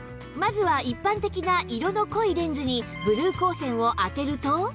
まずは一般的な色の濃いレンズにブルー光線を当てると